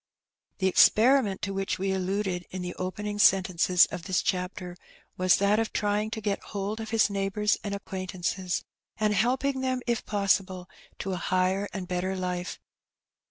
The experiment to which we alluded in the opening sen tences of this chapter was that of trying to get hold of his neighbours and acquaintances, and helping them if possible to a higher and better life.